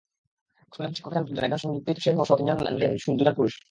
স্কুলে মোট শিক্ষক আছেন পাঁচজন, একজন সংযুক্তিতেসহ তিনজন নারী এবং দুজন পুরুষ।